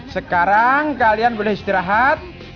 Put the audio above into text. sekarang kalian boleh istirahat